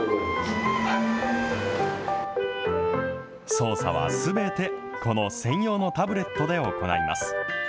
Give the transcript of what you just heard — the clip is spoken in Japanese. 操作はすべて、この専用のタブレットで行います。